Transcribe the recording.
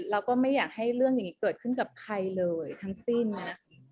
แล้วก็ไม่อยากให้เรื่องอย่างนี้เกิดขึ้นกับใครเลยทั้งสิ้นนะ